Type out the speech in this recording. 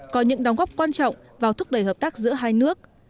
có những đóng góp quan trọng vào thúc đẩy hợp tác giữa hai nước